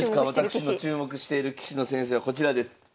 私の注目している棋士の先生はこちらです。